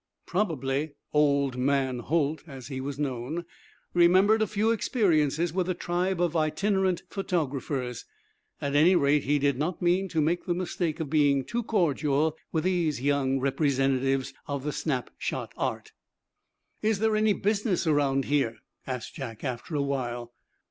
Probably "Old Man" Holt, as he was known, remembered a few experiences with the tribe of itinerant photographers. At any rate he did not mean to make the mistake of being too cordial with these young representatives of the snap shot art. "Is there any business around here?" asked Jack, after awhile.